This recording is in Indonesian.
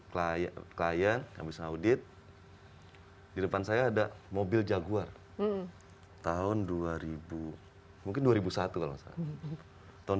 klien klien yang bisa audit hai di depan saya ada mobil jaguar tahun dua ribu mungkin dua ribu satu tahun dua ribu satu